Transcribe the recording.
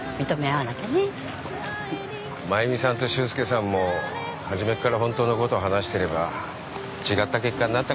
真弓さんと修介さんも初めっからホントのこと話してれば違った結果になったかもしれない。